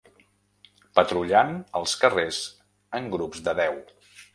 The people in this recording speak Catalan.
Patrullant els carrers en grups de deu